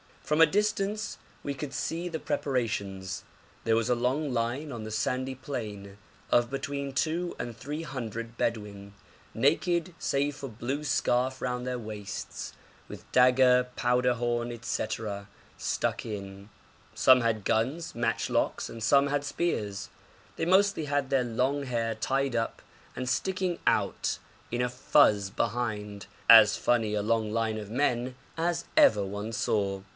From a distance we could see the preparations. There was a long line on the sandy plain of between two and three hundred Bedouin, naked save for a blue scarf round their waists, with dagger, powder horn, &c., stuck in. Some had guns, matchlocks, and some had spears. They mostly had their long hair tied up and sticking out in a fuz behind, as funny a long line of men as ever one saw.